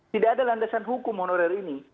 tidak ada landasan hukum honorer ini